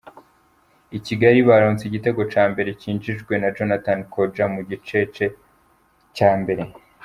I Kigali, baronse igitego ca mbere cinjijwe na Jonathan Kodjia mu giceca mbere.